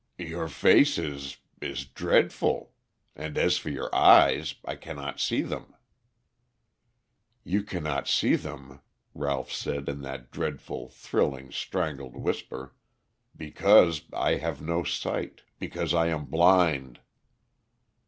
"Your face is is dreadful. And, as for your eyes, I cannot see them." "You cannot see them," Ralph said in that dreadful, thrilling, strangled whisper, "because I have no sight; because I am blind."